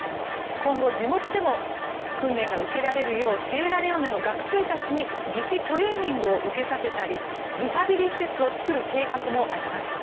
今後、地元でも訓練が受けられるようシエラレオネの学生たちに義肢トレーニングを受けさせたり、リハビリ施設を作る計画もあります。